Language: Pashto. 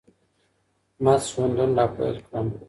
مست ژوندون راپيل كړمه